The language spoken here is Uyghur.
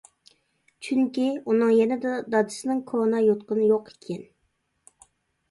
چۈنكى ئۇنىڭ يېنىدا دادىسىنىڭ كونا يوتقىنى يوق ئىكەن.